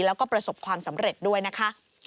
แล้วก็ประสบความสำเร็จด้วยนะคะ